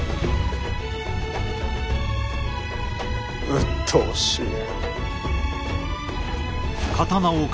うっとうしい。